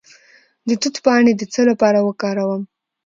د توت پاڼې د څه لپاره وکاروم؟